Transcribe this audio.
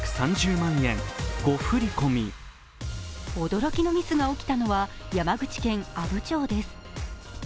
驚きのミスが起きたのは山口県阿武町です。